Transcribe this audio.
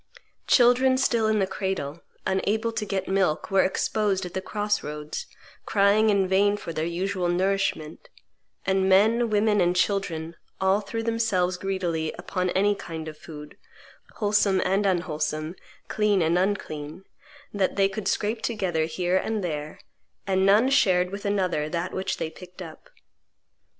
Children still in the cradle, unable to get milk, were exposed at the cross roads, crying in vain for their usual nourishment; and men, women, and children, all threw themselves greedily upon any kind of food, wholesome and unwholesome, clean and unclean, that they could scrape together here and there, and none shared with another that which they picked up."